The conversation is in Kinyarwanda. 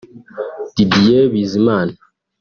Didier Bizimana